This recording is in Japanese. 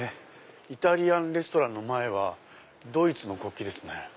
イタリアンレストランの前はドイツの国旗ですね。